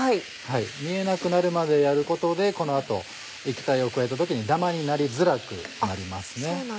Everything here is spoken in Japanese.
見えなくなるまでやることでこの後液体を加えた時にダマになりづらくなりますね。